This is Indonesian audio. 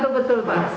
membantu betul pak